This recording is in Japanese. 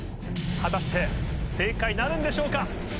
果たして正解なるんでしょうか？